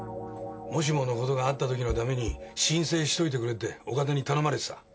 もしものことがあった時のために申請しといてくれって岡田に頼まれてた。